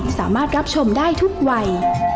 สามารถรับชมได้ทุกวัย